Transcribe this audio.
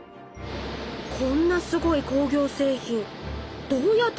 こんなすごい工業製品どうやってつくっているの？